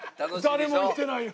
誰も言ってないよ。